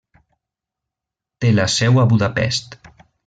Té la seu a Budapest.